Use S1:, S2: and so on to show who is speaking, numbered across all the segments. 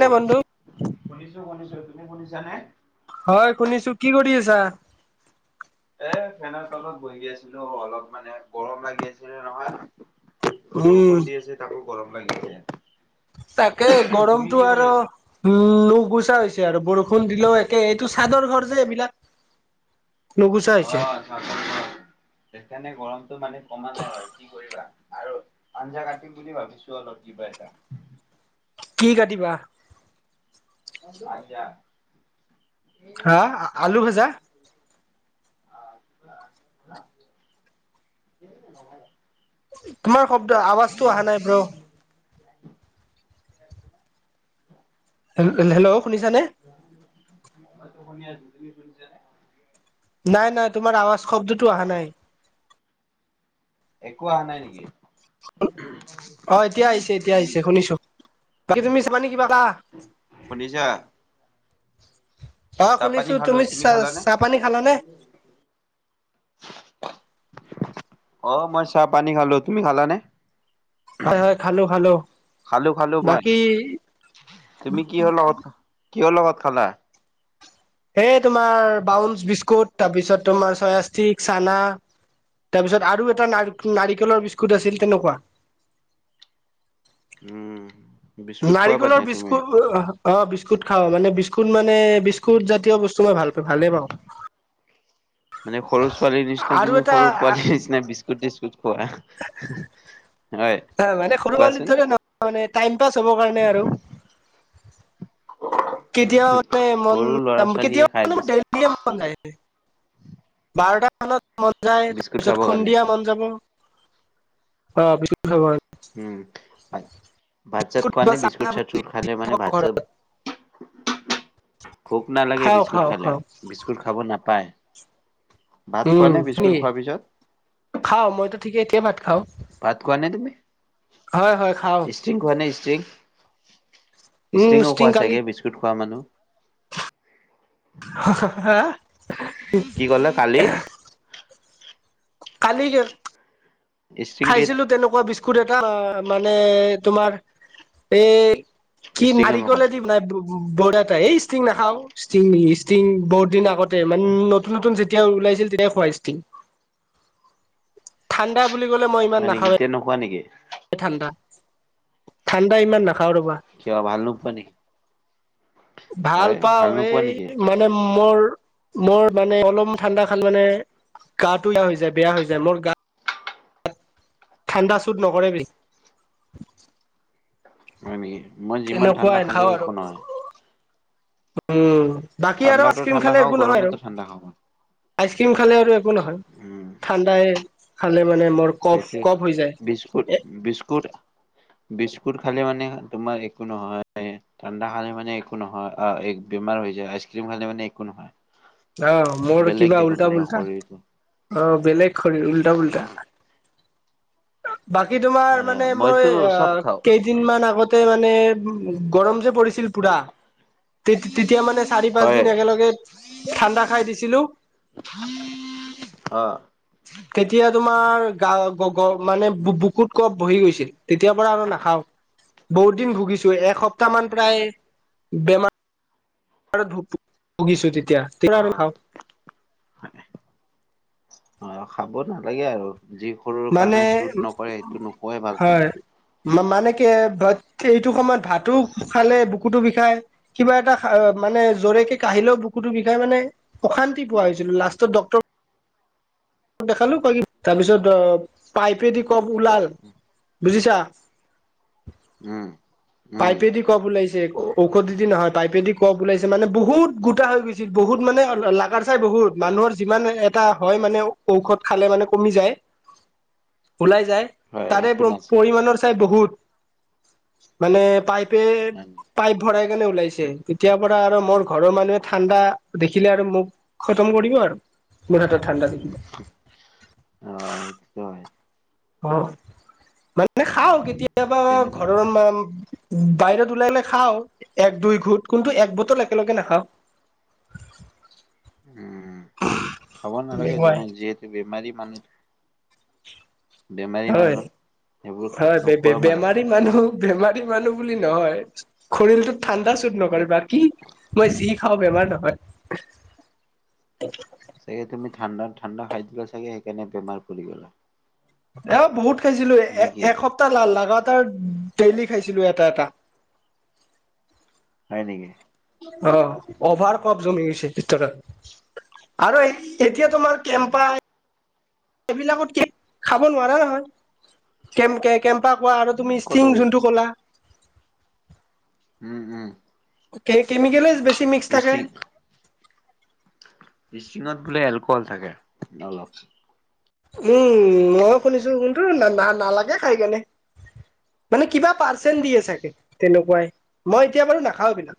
S1: নে বন্ধু?
S2: শুনিছো শুনিছো, তুমি শুনিছানে?
S1: হয় শুনিছো, কি কৰি আছা?
S2: এ ফেনৰ তলত বহি আছিলো অলপ মানে গৰম লাগি আছিলে নহয়।
S1: উম,
S2: বৰষুণ দি আছে তাকো গৰম লাগিছে।
S1: তাকে গৰমতো আৰু উম, নুগুচা হৈছে আৰু বৰষুণ দিলেও একে, এইটো চাদৰ ঘৰ যে এইবিলাক নুগুচা হৈছে।
S2: অ', চাদৰ ঘৰ, সেইকাৰণে গৰমতো মানে কমা নাই বাৰু কি কৰিবা আৰু। আঞ্জা কাটিম বুলি ভাবিছো অলপ কিবা এটা।
S1: কি কাটিবা?
S2: [unintelligible]
S1: হা, আলু ভাজা?
S2: [unintelligible]
S1: তোমাৰ শব্দ আৱাজটো অহা নাই ব্ৰ। হেল হেল্ল' শুনিছানে?
S2: মইতো শুনি আছো, তুমি শুনিছানে?
S1: নাই নাই তোমাৰ আৱাজ শব্দটো আহা নাই।
S2: একো আহা নাই নেকি?
S1: অ', এতিয়া আহিছে এতিয়া আহিছে শুনিছো, বাকী তুমি [unintelligible] কিবা খালা?
S2: শুনিছা?
S1: অ
S2: চাহ পানী
S1: শুনিছো
S2: খালো
S1: তুমি চাহ
S2: খালানে
S1: চাহ পানী খালানে?
S2: অ মই চাহ পানী খালো তুমি খালানে?
S1: হয় হয় খালো খালো।
S2: খালো খালো ভাত,
S1: বাকী
S2: তুমি কিহৰ লগত কিহৰ লগত খালা?
S1: এই তোমাৰ ব্ৰাউছ বিস্কুট তাৰপিছত তোমাৰ ছয়া ষ্টিক, চানা। তাৰপিছত আৰু এটা ন নাৰিকলৰ বিস্কুট আছিল তেনেকোৱা
S2: উম বিস্কুট খোৱা
S1: নাৰিকলৰ
S2: পানে তুমি?
S1: বিস্কুট অহ অ বিস্কুট খাও মানে বিস্কুট মানে বিস্কুট জাতীয় বস্তু মই ভাল পা ভালে পাওঁ
S2: মানে সৰু ছোৱালীৰ নিচিনা
S1: আৰু
S2: তুমি
S1: এটা
S2: সৰু পোৱালীৰ নিচিনা বিস্কুট চিস্কুট খোৱা। হয়,
S1: হে মানে সৰু পোৱালিত
S2: কোৱাচোন
S1: ধৰি নহয় মানে টাইম পাছ হব কাৰণে আৰু কেতিয়াও মানে মন
S2: সৰু ল'ৰা
S1: যাম
S2: ছোৱালীয়ে
S1: কেতিয়াও
S2: খাই
S1: মানে মন যায় বাৰটা মানত মন যায়
S2: বিস্কুট
S1: তাৰপিছত
S2: খাব কাৰণে।
S1: সন্ধিয়া মন যায় যাব অ বিস্কুট খাব
S2: উম ভাত চাত
S1: বিস্কুট
S2: খোৱা
S1: বা
S2: নে বিস্কুট
S1: চানা
S2: চিস্কুট খালে মানে ভাত চাত
S1: ঘৰত
S2: ভোক নালাগে
S1: খাওঁ
S2: বিস্কুট
S1: খাওঁ
S2: খালে
S1: খাওঁ
S2: বিস্কুট খাব নাপায়। ভাত
S1: উম
S2: খোৱা নে
S1: শুনে
S2: বিস্কুট খোৱাৰ পিছত?
S1: খাওঁ মইতো ঠিকেই এতিয়া ভাত খাওঁ
S2: ভাত খোৱা নে তুমি?
S1: হয় হয় খাওঁ।
S2: ষ্ট্ৰিং খোৱা নে ষ্ট্ৰিং
S1: উম
S2: ষ্ট্ৰিংও
S1: ষ্টিং
S2: খোৱা
S1: কালি
S2: চাগে বিস্কুট খোৱা মানুহ
S1: হা
S2: কি ক'লা কালি
S1: কালি যে
S2: ষ্ট্ৰিং কি
S1: খাইছিলোঁ তেনেকোৱা বিস্কুট এটা মানে তোমাৰ এই কি
S2: ষ্ট্ৰিঙৰ লগত
S1: নাৰিকললে দি বনাই বৰ এ তাই এই ষ্টিং নাখাওঁ। ষ্টিং ষ্টিং বহুত দিন আগতে মানে নতুন নতুন যেতিয়া ওলাইছিল তেতিয়াই খোৱাই ষ্টিং।
S2: অঁ।
S1: ঠাণ্ডা বুলি ক'লে মই ইমান নাখাওঁ এ।
S2: তেনেকুৱা নেকি?
S1: ঠাণ্ডা ঠাণ্ডা ইমান নাখাওঁ ৰ'বা
S2: কিয় ভাল নোপোৱা নি?
S1: ভাল পাও
S2: নোপোৱা
S1: এই
S2: নেকি
S1: মই মানে মোৰ মোৰ মানে অলম ঠাণ্ডা খালে মানে গাটো বেয়া হৈ যায় বেয়া হৈছে যায় মোৰ গা ঠাণ্ডা চোত নকৰেবেই
S2: হয় নেকি মই যিমান ঠাণ্ডা
S1: তেনেকুৱাই নাখাওঁ
S2: খালেও
S1: আৰু
S2: একো নহয়
S1: উম বাকী আৰু
S2: ঠাণ্ডাতো
S1: আইচক্ৰীম
S2: ঠাণ্ডা
S1: খালে
S2: খাওঁ
S1: একো নহয় আৰু
S2: গৰমতো ঠাণ্ডা খাওঁ মই
S1: আইচক্ৰীম খালে আৰু একো নহয়
S2: উম
S1: ঠাণ্ডাই খালে মানে মোৰ
S2: সেই
S1: কফ
S2: তেতিয়া
S1: কফ হৈ যায়।
S2: বিস্কুট
S1: এ
S2: বিস্কুট- বিস্কুট খালে মানে তোমাৰ একো নহয়। ঠাণ্ডা খালে মানে একো নহয় অঁ বেমাৰ হৈ যায়, আইচ ক্ৰীম খালে মানে একো নহয়-
S1: আহ মোৰ
S2: বেলেগ
S1: কিবা
S2: দেখোন
S1: উল্টা
S2: তোমাৰ
S1: পুল্টা।
S2: শৰীৰটো
S1: অঁ বেলেগ খৰ উল্টা পুল্টা। বাকী
S2: এ
S1: তোমাৰ মানে
S2: মইতো
S1: মই আ
S2: চব খাওঁ
S1: কেইদিন মান আগতে মানে- গৰম যে পৰিছিল পুৰা। তে তেতিয়া মানে চাৰি পাঁচ
S2: হয়
S1: দিন একেলগে- ঠাণ্ডা খাই দিছিলোঁ।
S2: অ
S1: তেতিয়া তোমাৰ গা গ মানে বুকুত কফ বহি গৈছিল। তেতিয়াৰ পৰা আৰু নাখাওঁ। বহুত দিন ভুগিছো, এসপ্তাহ মান প্ৰায়
S2: হয়
S1: বেমাৰ। ভূ ভূগিছো তেতিয়া।
S2: অঁ।
S1: খাওঁ
S2: অঁ খাব নালাগে আৰু যি- সৰুৰ
S1: মানে
S2: কাৰণে চুট নকৰে সেইটো নোখোৱাই ভাল।
S1: মা মা মানে কি এইটো সময়ত ভাতো খালে বুকুতো বিষাই কিবা এটা মানে জোৰেকে কাহিলেও বুকুটো বিষাই মানে অশান্তি পোৱা হৈছিল লাষ্টত ড্ক্তৰ- দেখালো ক কি তাৰ পিছত অ পাইপেদি কফ ওলাল বুজিছা।
S2: উম। উম,
S1: পাইপে দি কফ ওলাইছে ঔষধি দি নহয়। পাইপেদি কফ ওলাইছে মানে বহুত গোটা হৈ গৈছিল বহুত মানে লাগাৰ লাগাত চাই বহুত মানুহৰ যিমান এটা হয় মানে ঔষধ খালে মানে কমি যায়
S2: [unintelligible]
S1: ওলাই যায়
S2: হয়
S1: তাৰে
S2: সেইটো নাছিল
S1: পৰিমাণৰ চাই বহুত। মানে পাইপে
S2: হয় নেকি?
S1: পাইপ ভৰাই কেনে ওলাইছে। তেতিয়াৰ পৰা আৰু মোৰ ঘৰৰ মানুহে ঠাণ্ডা দেখিলে আৰু মোক খটম কৰিব আৰু মোৰা হাতত ঠাণ্ডা দেখিলে।
S2: অ' সেইটো হয়।
S1: অ' মানে খাওঁ
S2: উম।
S1: কেতিয়াবা
S2: তেনেকুৱা
S1: ঘৰৰ মা বাহিৰত ওলালে খাওঁ এক দুই ঘোট কিন্তু এক বটল একেলগে নাখাওঁ।
S2: উম খাব নালাগে
S1: তেনেকুৱাই
S2: যিহেতু বেমাৰী মানুহ। বেমাৰী মানুহ সেইবোৰ খ-
S1: হয়-হয় বে বে
S2: নোখোৱা ভাল।
S1: বেমাৰী মানুহ বেমাৰী মানুহ বুলি নহয় শৰীৰটো ঠাণ্ডা চুত নকৰে। বাকী মই যি খাওঁ বেমাৰ নহয়।
S2: চাগে তুমি ঠাণ্ডাত ঠাণ্ডা খায় দিলা চাগে সেইকাৰণে বেমাৰ পৰি গ'লা।
S1: এই বহুত খাইছিলোঁ এ
S2: নেকি?
S1: এসপ্তাহ লাগাটাৰ ডেইলি খাইছিলোঁ এটা-এটা।
S2: হয় নেকি?
S1: অ'
S2: উম,
S1: অভাৰ কফ জমি গৈছে ভিতৰত আৰু এই এতিয়া তোমাৰ
S2: উম,
S1: কেম্পা এইবিলাকতকে খাব নোৱাৰা নহয়। কেম কেম কেম্প কেম্পা খোৱা আৰু
S2: ক'ত
S1: ইষ্টিং
S2: হ'ল?
S1: যোনটো কলা।
S2: উম-উম
S1: কে কেমিকেল বেছি। মিক্স থাকে
S2: ইষ্টিং ইষ্টিংত বোলে এলক'হল থাকে অলপ।
S1: উম ময়ো শুনিছোঁ কোনটো নালাগে খাই কেনে। মানে কিবা পাৰ্চেণ্ট দিয়ে চাগে তেনেকুৱাই। মই এতিয়া বাৰু নাখাওঁ এইবিলাক,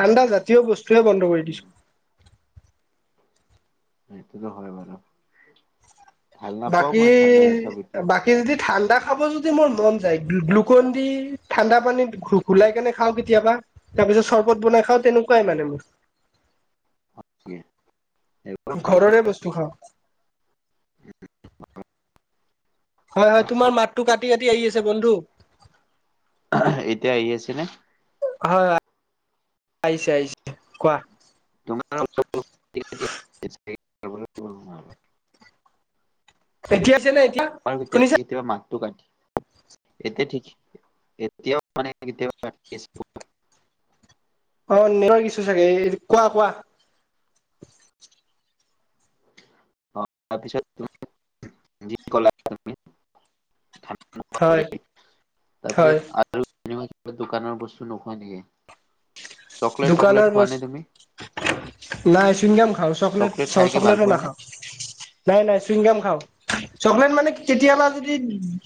S1: ঠাণ্ডা জাতীয় বস্তুৱে বন্ধ কৰি
S2: উম,
S1: দিছোঁ।
S2: সেইটোতো হয় বাৰু। ‌ ভাল নাপাওঁ
S1: বাকী
S2: মই ঠাণ্ডা জাতীয় বেছি
S1: বাকী যদি ঠাণ্ডা খাব যদি মোৰ মন যায় গ্লুকন দি ঠাণ্ডা পানীত ঘূ ঘুলাই কেনে খাওঁ কেতিয়াবা তাৰ পিছত চৰ্বত বনাই খাওঁ তেনেকুৱাই মানে মোৰ।
S2: উম [unintelligible]
S1: ঘৰৰে বস্তু খাওঁ হয়-হয় তোমাৰ মাতটো কাটি-কাটি আহি আছে বন্ধু।
S2: এতিয়া আহি আছেনে?
S1: হয়-হয় আহিছে-আহিছে কোৱা?
S2: তোমাৰ [unintelligible]
S1: এতিয়া আছে নে এতিয়া?
S2: হয়
S1: শুনিছা
S2: কেতিয়াবা-কেতিয়াবা মাতটো কাটি এতিয়া ঠিকে এতিয়াও মানে কেতিয়াবা [unintelligible]
S1: অ' নেটৱৰ্ক ইছো চাগে এই কোৱা-কোৱা
S2: তাৰপিছত তুমি যি কলা তুমি
S1: হয়
S2: [unintelligible] তাৰপিছত
S1: হয়
S2: আৰু দোকানৰ বস্তু নোখোৱা নেকি চকলেট টকলেট
S1: দোকানৰ
S2: খোৱা নে
S1: বস্তু
S2: তুমি?
S1: নাই চুইংগাম খাওঁ চকলেট
S2: খাইকে ভাল
S1: চকলেটো
S2: পোৱা নে?
S1: নাখাওঁ নাই-নাই চুইংগাম খাওঁ। চকলেট মানে কেতিয়াবা যদি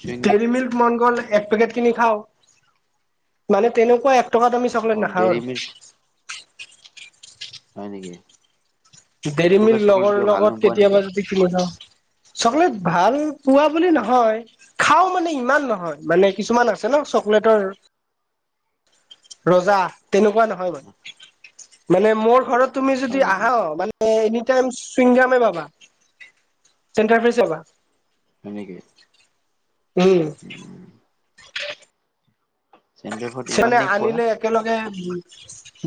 S2: চুইংগাম
S1: দেৰি মিল্ক মন গ'ল এক পেকেট কিনি খাওঁ মানে তেনেকুৱা এক টকাত আমি চকলেট
S2: অ
S1: নাখাওঁ
S2: ডেইৰী
S1: আৰু
S2: মিল্ক হয় নেকি? এক
S1: দেৰি
S2: টুকুৰা
S1: মিলক
S2: চকলেট
S1: লগৰ
S2: কিয় ভাল
S1: লগত
S2: নোপোৱা নেকি?
S1: কেতিয়াবা যদি কিনি খাওঁ। চকলেট ভাল পোৱা বুলি নহয়, খাও মানে ইমান নহয় মানে কিছুমান আছে ন চকলেটৰ ৰজা তেনেকুৱা নহয় মানে মানে মোৰ ঘৰত তুমি
S2: হয়
S1: যদি
S2: নেকি?
S1: আহাও এনিটাইম চুইংগামে পাবা চেণ্টাৰ ফেছ পাবা।
S2: সেনেকে
S1: উম হয় [unintelligible]
S2: চেণ্টাৰ ফুড
S1: কিছুমানে
S2: ইমানেই খোৱা?
S1: আনিলে একেলগে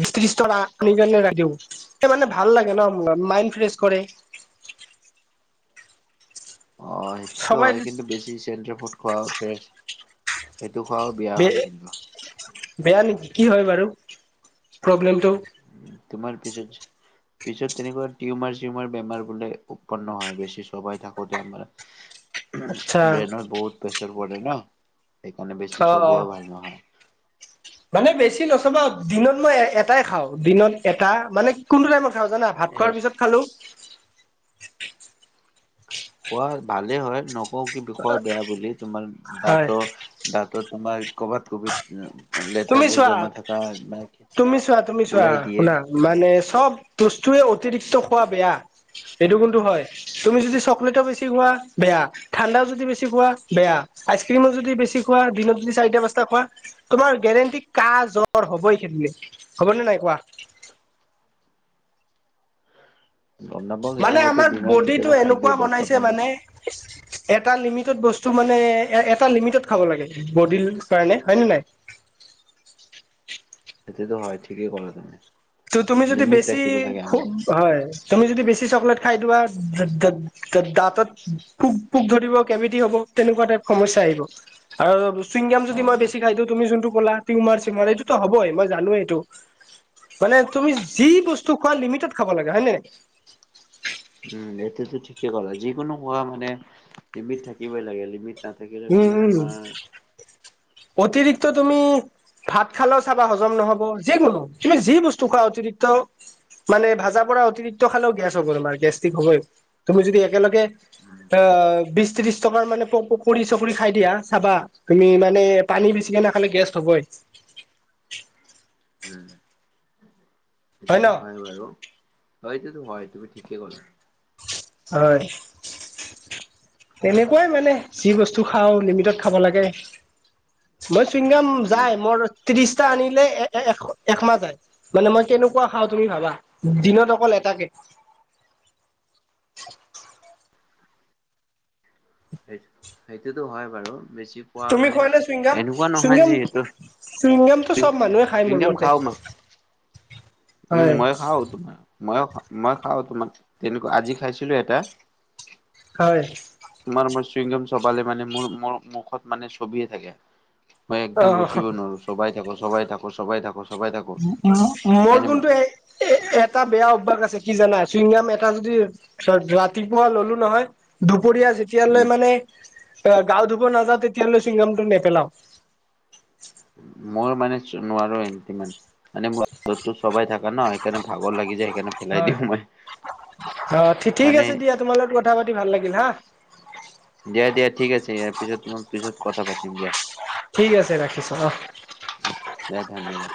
S1: বিশ ত্ৰিশ টকা আনি কেনে উৰাই দিও মানে ভাল লাগে ন মাইণ্ড ফ্ৰেচ কৰে।
S2: অ সেইটোতো
S1: সবাই
S2: হয় কিন্তু বেছি চেট্ৰাৰ ফুড খোৱাও ফেছ সেইটো খোৱাও বেয়া
S1: বে
S2: হয় কিন্তু
S1: বেয়া নেকি কি হয় বাৰু প্ৰব্লেমটো?
S2: তোমাৰ পিছত পিছত তেনেকুৱা টিউমাৰ চিউমাৰ বেমাৰ বোলে উৎপন্ন হয় বেছি সবাই থাকোতে আমাৰ উ
S1: আচ্ছা
S2: [unintelligible] ব্ৰেইনত বহুত প্ৰেছাৰ পৰে ন সেইকাৰণে
S1: অ
S2: বেছি
S1: অ
S2: চবোৱাও ভাল নহয়। উ [unintelligible]
S1: মানে বেছি নচবা দিনত মই এটাই খাওঁ দিনত এটা মানে কোনটো টাইমত খাওঁ জানা‌? ভাত খোৱাৰ
S2: এ
S1: পিছত খালোঁ
S2: খোৱা ভালেই হয় নকও কি খোৱা বেয়া বুলি তোমাৰ
S1: হয়
S2: দাত দাটৰ তোমাৰ কৰ'বাত কবিত।
S1: তুমি
S2: লেতেৰাবোৰ
S1: চোৱা
S2: জমা থকা
S1: তুমি চোৱা তুমি চোৱা
S2: ওলাই দিয়ে
S1: শুনা, মানে চব বস্তুৱে অতিৰিক্ত খোৱা বেয়া এইটো কিন্তু হয়। তুমি যদি চকলেট বেছি খোৱা বেয়া, ঠাণ্ডাও যদি বেছি খোৱা বেয়া আইচক্ৰীমো যদি বেছি খোৱা দিনত যদি চাৰিটা পাঁচটা খোৱা তোমাৰ গেৰেণ্টি কাহ জ্বৰ হবই সেইবুলি হ'বনে নাই কোৱা?
S2: গম নাপাওঁ কিন্তু
S1: মানে
S2: মই এতিয়া
S1: আমাৰ
S2: ডিনাৰ
S1: বডিটো
S2: কেতিয়াবা খাই
S1: এনেকুৱা
S2: দিওঁ
S1: বনাইছে
S2: দহটামান
S1: মানে
S2: বজাত।
S1: এটা লিমিটত বস্তু মানে এ এটা লিমিটত খাব লাগে বডিৰ কাৰণে হয় নে নাই,
S2: সেইটো তো হয় ঠিকেই ক'লা তুমি।
S1: ত তুমি যদি
S2: লিমিট
S1: বেছি
S2: ৰাখিব লাগে আমাৰ
S1: হয় তুমি যদি বেছি চকলেট খাই লোৱা ত দাঁতত পোক পোক ধৰিব কেমিতি হব তেনেকুৱা টাইপ সমস্যা আহিব আৰু চুইংগাম
S2: অ
S1: যদি মই
S2: মোৰ
S1: বেছি খাই দিওঁ তুমি যোনটো কলা‌ তিউমাৰ চিউমাৰ এইটোতো হবই মই জানোৱেইটো মানে তুমি যি বস্তু খোৱা লিমিটত খাব লাগে হয় নে নাই
S2: উম সেইটোতো ঠিকেই কলা যিকোনো কোৱা মানে লিমিট থাকিবই লাগে লিমিট এতা থাকিলে
S1: উম
S2: মানে
S1: উম
S2: তোমাৰ,
S1: অতিৰিক্ত তুমি, ভাত খালেও চাবা হজম নহ'ব। যিকোনো তুমি যি বস্তু খোৱা অতিৰিক্ত, মানে ভাজা পৰা অতিৰিক্ত খালেও গেছ হ'ব তোমাৰ গেষ্টিক হব তুমি যদি একেলগে
S2: উম,
S1: অ বিশ ত্ৰিশ টকাৰ মানে প প পকৰি চকৰি খাই দিয়া চাবা তুমি মানে পানী বেছিকে নাখালে গেষ্ট হবই।
S2: ওম। সেইটোতো হয় বাৰু হয় এইটোতো হয় তুমি ঠিকেই ক'লা।
S1: হয় তেনেকুৱাই, মানে যি বস্তু খাওঁ লিমিটত। খাব লাগে মই চুইনগাম
S2: উম,
S1: যাই মোৰ। ত্ৰিশটা আনিলে এ এক একমাহ যায়। মানে মই কেনেকুৱা খাওঁ তুমি ভাবা। দিনত অকল এটাকে
S2: সেই সেইটোতো হয় বাৰু বেছি পোৱা
S1: তুমি
S2: মানে
S1: খোৱা নে চুইংগাম
S2: এনেকুৱা নহয়।
S1: চুইংগাম
S2: যিহেতু
S1: চুইংগামটো চব মানুহে খায় মোৰ মতে।
S2: মই উম
S1: হয়
S2: মই খাও তোমাৰ মই মই খাও তোমাক তেনেকুৱা আজি খাইছিলো এটা।
S1: হয়।
S2: তোমাৰ মই চইমগম চবালে মানে মোৰ মুখত মানে ছবিয়ে থাকে মই
S1: অ
S2: একদম ৰখিব নোৱাৰো। চবাই থাকো, চবাই থাকো, চবাই থাকো। চবাই থাকো
S1: ম-ম-মৰৰ
S2: সেইকাৰণে
S1: গুণটো এই এ এটা বেয়া অভ্যাস আছে কি জানা চুইংগাম এটা যদি ৰাতিপুৱা ল'লো নহয় দুপৰীয়া ছে
S2: উম,
S1: যেতিয়ালৈ মানে আ গাও ধুব নাযাওঁ তেতিয়ালৈ চুইংগামটো নেপেলাও।
S2: মই মানে নোৱাৰো ইমান। মানে মোৰতো চবাই থাকে ন সেইকাৰণে ভাগৰ লাগি যায়। সেইকাৰণে ফেলাই
S1: হয়,
S2: দিওঁ মই
S1: অ ঠিক
S2: মানে
S1: আছে দিয়া। তোমাৰ লগত কথা পাতি ভাল লাগিল হা।
S2: দিয়া, দিয়া ঠিক আছে। ইয়াৰ পিছত তোমাৰ পিছত কথা পাতিম দিয়া।
S1: ঠিক আছে ৰাখিছো অ।
S2: দিয়া ধন্যবাদ।